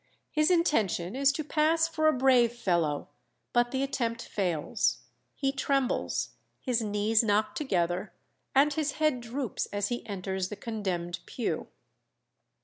His intention is to pass for a brave fellow, but the attempt fails; he trembles, his knees knock together, and his head droops as he enters the condemned pew.